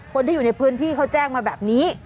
คนที่อยู่ในพื้นที่เขาแจ้งมาแบบนี้